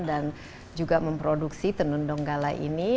dan juga memproduksi tenun nunggala ini